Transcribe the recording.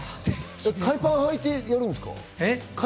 海パン履いてやるんですか？